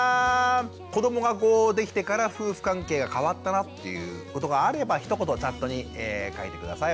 子どもができてから夫婦関係が変わったなっていうことがあればひと言チャットに書いて下さい。